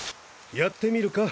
やってみるか？